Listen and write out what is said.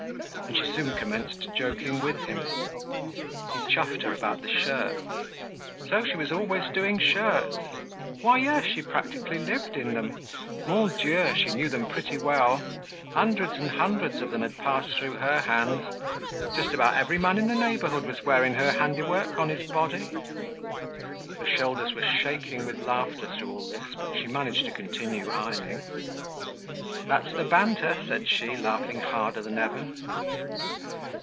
And she soon commenced joking with him. He chuffed her about the shirts. So she was always doing shirts? Why yes, she practically lived in them. Mon Dieu! She knew them pretty well. Hundreds and hundreds of them had passed through her hands. Just about every man in the neighborhood was wearing her handiwork on his body. Her shoulders were shaking with laughter through all this, but she managed to continue ironing. "That's the banter!" said she, laughing harder than ever.